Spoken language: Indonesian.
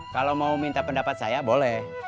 kalau mau minta pendapat saya boleh